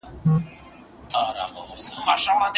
سستي اړيکي د محبت د کمېدو سبب څنګه کيږي؟